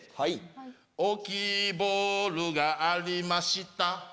大きいボールがありました